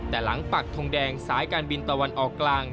แต่หลังปักทงแดงสายการบินตะวันออกกลาง